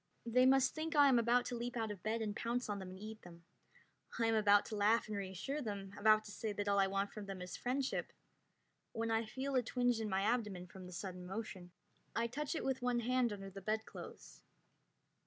They must think I am about to leap out of bed and pounce on them and eat them. I am about to laugh and reassure them, about to say that all I want from them is friendship, when I feel a twinge in my abdomen from the sudden motion. I touch it with one hand under the bedclothes.